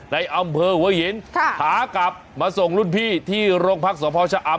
ในอำเภอหัวหินขากลับมาส่งรุ่นพี่ที่โรงพักษพชะอำ